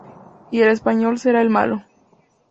Y el Español será el malo.